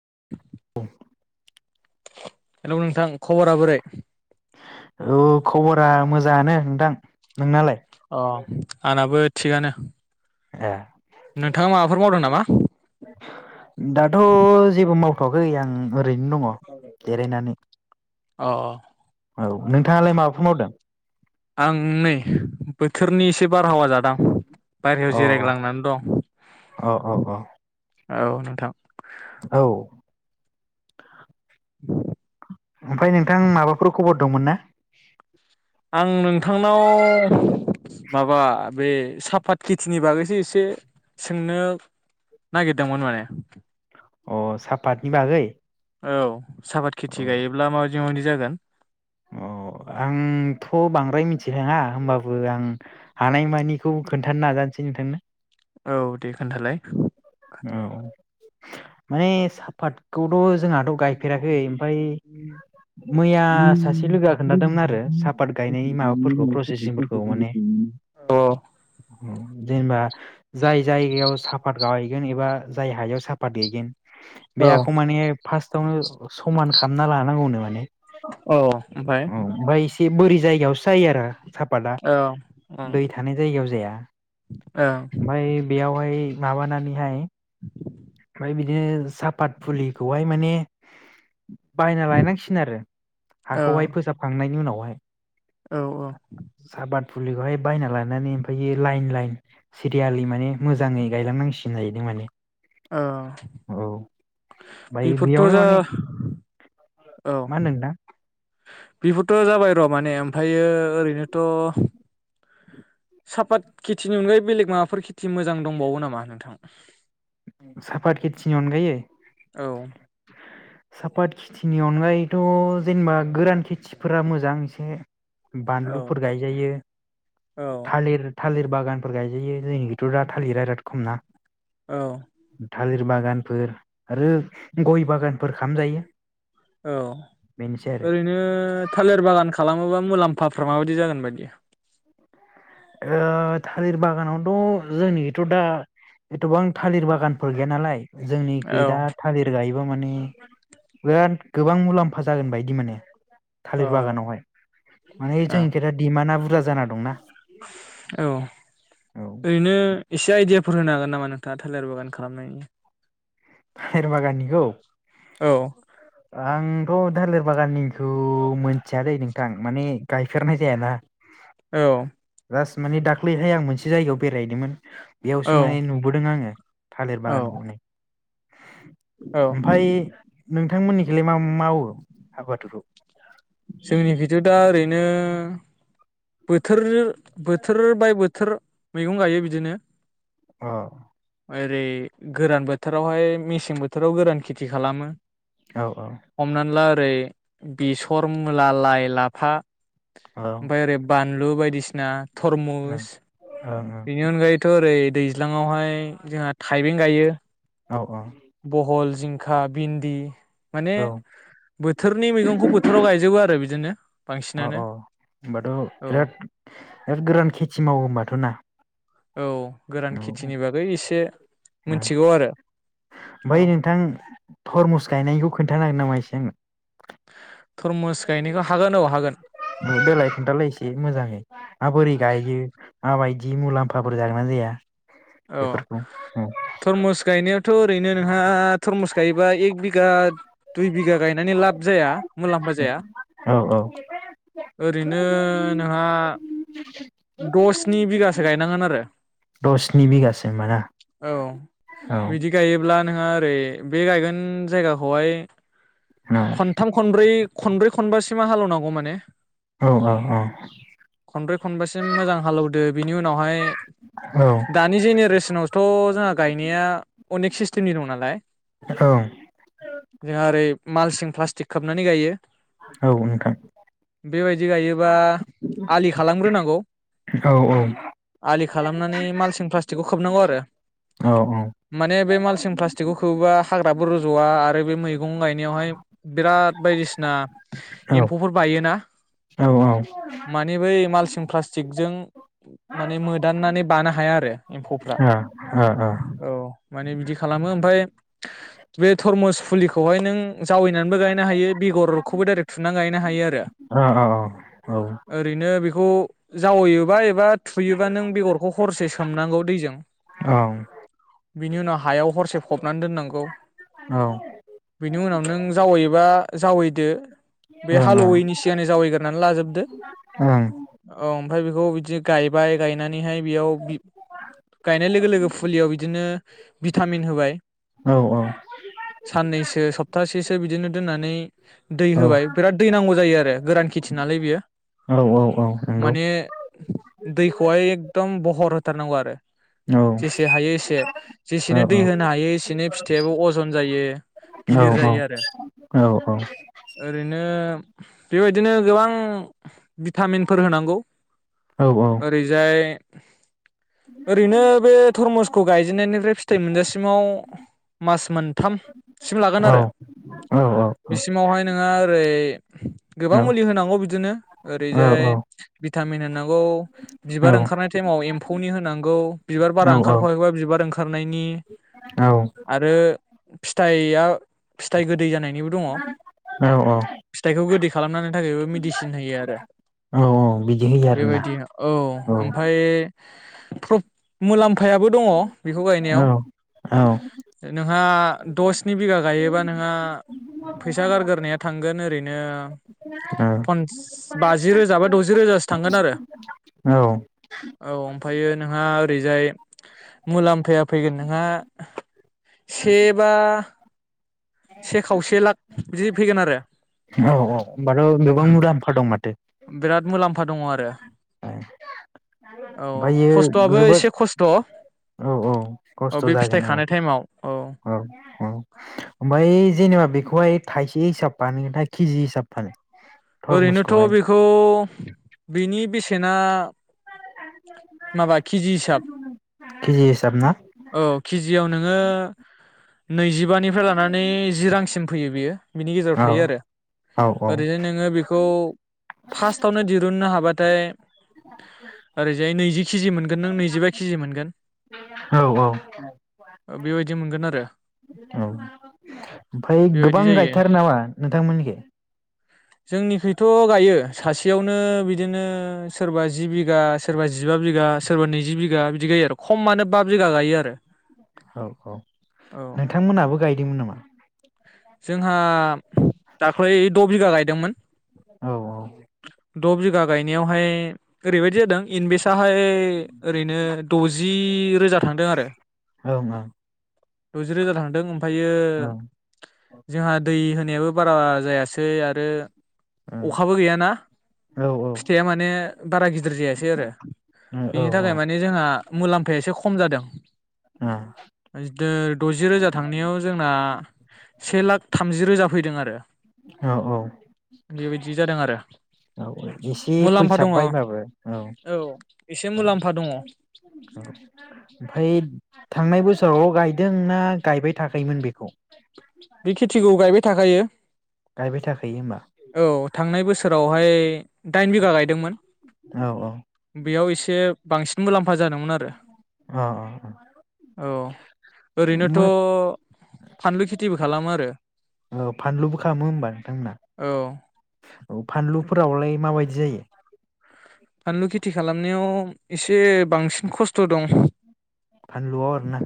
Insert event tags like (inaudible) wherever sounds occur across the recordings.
(inaudible) Hello नोंथां खबरा बोरै? औ खबरा मोजाङानो नोंथां। नोंनालाय अ आंनाबो थिगानो। ए। नोंथाङा माबाफोर मावदों नामा? दाथ' जेबो मावथ'वाखै आं ओरैनो दङ जिरायनानै। अ अ औ नोंथाङालाय माबाफोर मावदों? आं नै बोथोरनि एसे बारहावा जादों आं। बायहेरायाव अ जिरायग्लांनानै दं। अ अ अ औ नोंथां औ औ ओमफ्राय नोंथां माबाफोर खबर दंमोन ना? आं नोंथांनाव माबा बे साफात खेथिनि बागैसो एसे सोंनो नागिरदोंमोन माने। अ सापतनि बागै? औ सापाद अ खेथि गायोब्ला माबायदि मादि जागोन? अ आंथ' बांद्राय मिथिरोङा होमबाबो आं हानायमानिखौ खोन्थानो नाजानोसै नोंथांनो। औ दे खोन्थालाय। औ माने साफादखौथ' जोंहा थ' गायफेराखै ओमफ्राय मैया सासे लोगोआ खोनथादोंमोन आरो अ सापात गायनायनि माबाफोरखौ प्रसेसिं माने औ जेनेबा जाय जायगायाव साफात गाय एबा जाय हायाव साफात गायगोन बे हाखौ औ माने फार्स्टआवनो समान खालामना लानांगौनो माने औ ओमफ्राय औ ओमफ्राय एसे बोरि जायगायावसो जायो आरो। सापाता औ ओं दै थानाय जायगायाव जाया ओं ओमफ्राय बेयावहाय माबानानै हाय ओमफ्राय बिदिनो सापात फुलिखौहाय माने बायना लायनांसिगोन आरो ओ हाखौहाय फोसाबखांनायनि उनाव। बहाय औ औ फुलिखौहाय बायना लानानै ओमफ्राय लाइन लाइन सिरियालि माने मोजाङै गायलांनांसिनो जाहैदों माने। औ औ ओमफ्राय बेफोरथ' बेयावनो जा माने औ मा होनदों नोंथां बेफोरथ' जाबाय र' माने ओमफ्रायो ओरैनोथ' सापात खेथिनि अनगायै बेलेग माबाफोर खेथि मोजां दंबावो नामा नोंथां? साफाट खिसि अन गायै औ सापात खेथिनि अनगायैथ' जेनेबा गोरान खेथिफोरा मोजां एसे। औ बानलुफोर गायजायो औ थालिर थालिर बागानफोर गायजायो जोंनिथ' दा थालिरा राद खम ना। औ। थालिर बागानफोर आरो गय बागानफोर खामजायो। औ ओरैनो थालिर बागान खालाम माबा मुलाम्फाफ्रा माबायदि जागोन बायदि अ थालिर बागानावथ'। जोंनिथ' दा। एथ'बां थालिर बागानफोर गैया नालाय। औ जोंनिखै दा थालिर गायोबा माने बिराद गोबां मुलाम्फा जागोन बायदि मोनो औ थालिर बागानावहाय माने औ जोंनिखोथा दिमानआ बुरजा। जाना दंना। औ औ ओरैनो एसे आइदिया फोर होनो हागोन नामा नोंथाङा थालिर बागान खालामनायनि? थालिर बागाननिखौ। औ। आंथ' थालिर बागाननिखौ मिथियादै नोंथां माने गायफेरनाय जायाना। औ। जास्ट माने दाख्लैहाय आं मोनसे जायगायाव बेरायदोंमोन। औ बेयावसो माने नुबोदों आङो थालिर औ बागानखौनै औ ओमफ्राय नों थांमोननिखौलाय मा मावो आबादखौ? नो बोथोर। बोथोर बाय बोथोर। मैगं गायो बिदिनो। अ। ओरै गोरान बोथोरावहाय मेसें बोथोराव गोरान खेथि खालामो। औ हमनान ला। रै बेसत। मुला लाइ लाफा। औ ओं ओमफ्राय बान लु बायदिसिना। ओं थरमुस ओं बेनि अनगायैथ' ओरै दैज्लाङावहाय जोंहा थाइबें गायो औ औ बहल जिंखा भिन्दि माने औ बोथोरनि मैगंखौ बो जोबो आरो बिदिनो औ बांसिनानो औ होनोमबाथ' औ बिराद बिराद गोरान खेथि मावो होनबाथ' ना औ गोरान औ ओ खेथिनि बागै एसे मिथिगौ आरो औ ओमफाय नोंथां थरमुस गायनायखौ खोन्थानो हागोन नामा एसे आंनो थरमुस गायनायखौ हागोन औ हागोन देलाय दायो माबायदि मुलाम्फाफोर जागोना जाया औ बेफोरखौ थरमुस गायनायावथ' ओरैनो नोंहा थर्मस गायो एक बि गा दुइ बिघा गायनानै लाब जाया मुलाम्फा जाया औ औ ओरैनो नोंहा दसनि बिघासो गायनांगोन आरो दस स्नि बिगासो होमबा ना औ नोंङा ओरै बे गायगोन जायगाखौहाय खनथाम खनब्रै खनब्रै खनबासो सिमा हालौनांगौ माने औ औ औ खनब्रै खनबासिम मोजां हालौदो बिनि उनावहाय औ दानि जेनेरेसनावथ' जोंहा गायनाया अनेक सिस्टेमनि दं नालाय औ जोंहा ओरै मालसिं प्लास्टिक खोबनानै गायो औ नोंथां बेबायदि गायोबा आलि खालामग्रोनांगौ औ आलि खालामनानै मालसिं प्लास्टिकखौ खोबनांगौ आरो औ माने बे मालसिं प्लास्टिकखौ खोबबा हाग्रा बाबो रुजवा आरो बे मैगं गाय नेवहाय बिराद बायदिसिना औ ओ एम्फौफोर बायोना ओ माने बै माल प्लास्टिकजों माने मोदाननानै बानो हाया आरो एम्फौफ्रा ओ ओ ओ औ माने बिदि खालामो ओमफाय बे थरमुस फुलिखौहाय नों जावैनानैबो गायनो हायो बेगरखौबो डाइरेक्ट थुनानै गायनो हायो आरो ओ औ औ ओरैनो बेखौ जावैयोबा एबा थुयोबा नों बेगरखौ हरसे सोमनांगौ दैजों ओं औ बिनि उनाव हायाव हरसे फबनानै दोननांगौ ओं बेनि उनाव नों जावैबा जावैदो बे ओं हालवैनि सिगां जावैगोरनानै लाजोबदो ओं औ ओमफाय बेखौ बिदि गायबाय गायनानैहाय बेयाव गायनाय लोगो लोगो फुलियाव बिदिनो भिटामिन होबाय औ साननैसो सब सप्थासेसो बिदिनो दोननानै दै होबाय बिराद दै नांगौ जायो आरो गोरान खेथि नालाय बेयो औ औ औ नंगौ माने दैखौहाय एकदम बहर होथारनांगौ आरो औ जेसे हायो एसे औ जेसेनो दै होनो हायो एसेनो फिथायाबो अजन जायो औ गिलिर जायो आरो औ औ ओरैनो बेबायदिनो गोबां भिटामिनफोर होनांगौ औ ओरैजाय ओरैनो बे थरमुसखौ गायजेननायनिफ्राय फिथाइ मोनजासिमाव मास मोनथाम सिम लागोन आरो बिसिमावहाय नोंङो ओरै गोबां मुलि होनांगौ बिदिनो ओरैजाय भिटामिन होनाव गौ बिबार ओंखारनाय समाव एम्फौनि होनांगौ बिबार बारा ओंखारा बिबार ओंखारनायनि औ आरो फिथाइआ फिथाइ गोदै जानाय नि दङ औ औ फिथाइखौ गोदै खालामनो थाखायबो मेडिसिन होयो आरो बिदि होयो आरोना बेबायदि औ ओमफ्राय मुलाम फायाबो दङ बेखौ औ गायनायाव औ नोंहा द' स्नि बिघा गायोबानो नोङा फैसा गारग्रोनाया थांगोन ओ ओरैनो फनस बाजि रोजा बा द'जि रोजासो थांगोन आरो औ औ ओमफ्रायो नोंहा ओरैजाय मुलाम्फाया फैगोन नोंहा से बा से खावसे लाख बिदि फैगोन आरो होमबाथ' गोबां मुलामाफा दं माथो बिराथ मुलाम्फा दङ आरो औ ओमफ्रायो खस्थ'आबो जोबोद एसे खस्थ' औ औ औ खस्थ' बे फिथाइ जागोन औ खानाय टाइमाव औ औ ओमफ्राय जेनेबा बेख खौहाय थाइसे हिसाब बानायो ना कि जि हिसाब फानो ओरैनोथ' थरमुसखौहाय बेखौ बेनि बेसे बेसेना माबा केजि हिसाब केजि हिसाब ना औ केजियाव नोङो नैजिबानिफ्राय लानानै जि रांसिम फैयो बियो बिनि गेजेराव औ थायो आरो औ ओरैनो नों बिखौ फार्स्टावनो दिरुननो हाबा बाथाय ओरैजाय नैजि केजि मोनगोन नों नैजिबा केजि मोनगोन औ औ बेबायदि मोनगोन आरो ओमफाय बेबायदि गोबां जायो गायथारो नामा नोंथांमोननिखि जोंनिखैथ' गायो सासेयावनो बिदिनो सोरबा जि बिगा सोरबा जिबा बिगा सोरबा नैजि बिगा बिदि गायो आरो खमानो बा बिगा गायो आरो औ औ औ नोंथांमोनाबो गायदोंमोन नामा जोंहा दाख्लै द बिघा गायदोंमोन औ औ द बिघा गायनायावहाय ओरैबायदि जादों इनभे साहाय ओरैनो दजि रोजा थांदों आरो ओं द'जि रोजा थांदो अम फायो जोंहा दै होनायाबो बारा जायासै आरो अखाबो गैयाना ओं औ फिथाइया माने बारा गिदिर जायासै आरो बिनि थाखाय माने जोंहा मुलाम्फाया एसे खम जादों (inaudible) (unintelligible) द'जि रोजा थांनायाव जोंना से लाख थामजि रोजा फैदों आरो औ बेबायदि जादों आरो एसे मुलाम्फा दङ फैसाफायबाबो औ मुलाम्फा दङ फायद थांनाय बोसोराव गाय जोंना गायबाय थाखायोमोन बेखौ बे खेथिखौ गायबाय थाखायो गायबाय थाखायो होमबा औ थांनाय बोसोरावहाय दाइन बिगा गायदोंमोन। औ औ बेयाव एसे बांसिन मुलाम फा जादोंमोन आरो अ अ औ ओरैनोथ' मो फानलु खि औ फानलुबो खालामो होमबा नोंथांमोना? औ औ फानलुफोरावलाय माबायदि जायो? फानलु खेथि खालामनायाव एसे बांसिन खस्थ दं। फानलुआव आरो ना?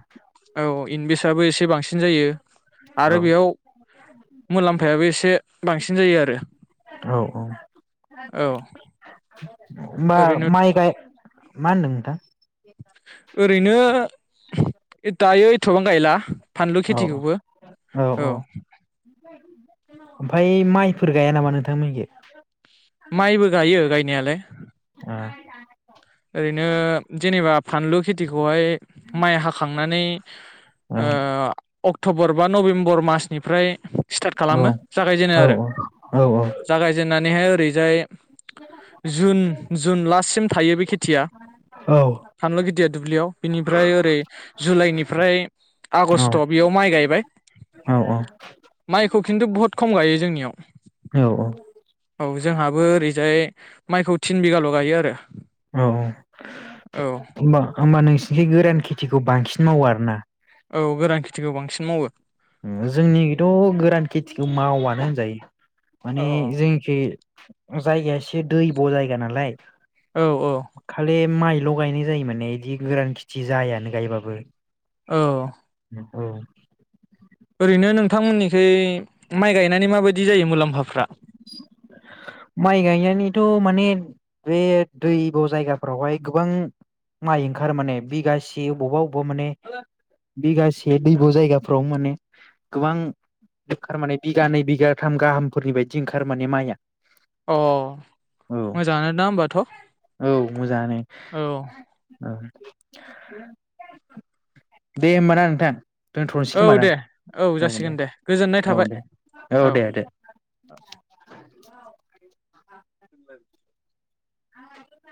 इनभेसआबो एसे बांसिन जायो। औ आरो बेयाव मुलाम्फायाबो एसे बांसिन जायो आरो। औ -औ। औ (unintelligible) मा ओरैनो माइ गाय मा होनदों नोंथां? (unintelligible) ओरैनो दायो एथबां गायला फानलु औ खेथिखौबो औ ओमफफ्राय माइफोर गाया नामा नोंथांमोननिथिं? माइबो गायो गायनायालाय (unintelligible) ओरैनो जेनेबा फानलु खेथि बेवहाय माइ हाखांनानै ओ अक्टबर बा नभेम्बर मासनिफ्राय स्टार्ट ओ औ खालामो जागायजेनो औ आरो औ जागायजेन्नानैहाय ओरैजाय जुन, जुन लासिम थायो बे खेथिया। औ औ फानलु गिदिर दुब्लियाव बिनिफ्राय ओरै जुलाइनिफ्राय आगस्ट बेयाव माइ गायबाय माइखौ खिन्थु बहुत खम गायो जोंनियाव। औ जोंहाबो ओरैजाय माइखौ थिन बिगाल' गायो आरो। औ औ होमबा नोंसि निथिं गोरानखि थिखौ बांसिन मावो आरोना? औ गोरान खेथिखौ बांसिन मावो। जोंनिथ गोरान खेथिखौ मावानो होनजायो। माने औ जोंनिखि। जायगाया एसे दैब' जायगा नालाय। औ औ। खालि माइल' गायनाय जायो माने इदि गोरान खेथि जायानो गायबाबो। औ। औ। ओरैनो नोंथांमोनिखोय माइ गायनानै माबायदि जायो मुलाम्फाफ्रा। माइ गायनानैथ' माने बे दैब' जायगाफोरावहाय गोबां माइ ओंखारो माने बिगासे अबावबा-अबावबा माने बिगासे दैब' जायगाफोराव माने गोबां ओंखारो माने बिगानैै बिगाथाम गाहामफोरनि बाय दि ओंखारो माने माइया। अ औ मोजाङानो दा होमबाथ' औ मोजाङानो औ। औ दे होमबाना नोंथां। दोनथ'नोसै औ खोमा दां दे औ जासिगोन दे गोजोननाय औ थाबाय दे औ। दे (inaudible) दे (inaudible) (inaudible) (inaudible)